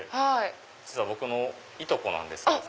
実は僕のいとこなんです彼。